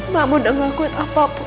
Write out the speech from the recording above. mama udah ngakuin apapun